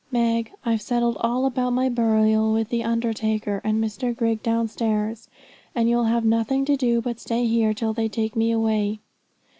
'Meg, I've settled all about my burial with the undertaker and Mr Grigg downstairs; and you'll have nothing to do but stay here till they take me away.